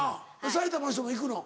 埼玉の人も行くの？